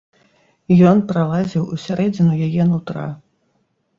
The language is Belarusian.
Ён пралазіў у сярэдзіну яе нутра.